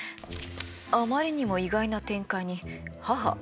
あまりにも意外な展開に母ビックリ。